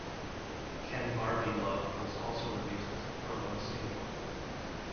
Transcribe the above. "Kenbarbielove" was also released as a promo single.